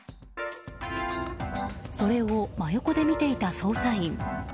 それを真横で見ていた捜査員。